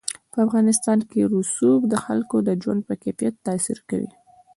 په افغانستان کې رسوب د خلکو د ژوند په کیفیت تاثیر کوي.